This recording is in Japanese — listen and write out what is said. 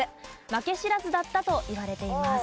負け知らずだったといわれています。